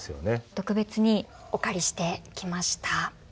特別にお借りしてきました。